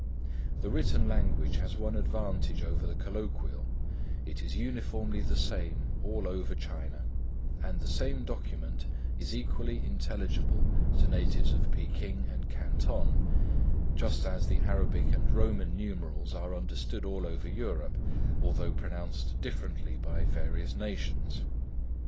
The written language has one advantage over the colloquial: it is uniformly the same all over China; and the same document is equally intelligible to natives of Peking and Canton, just as the Arabic and Roman numerals are understood all over Europe, although pronounced differently by various nations.